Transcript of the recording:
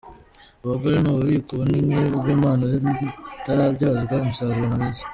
Abagore ni ububiko bunini bw’ impano zitarabyazwa umusaruro mu Isi.